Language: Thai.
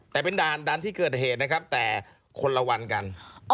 แต่เป็นด่านดันที่เกิดเหตุนะครับแต่คนละวันกัน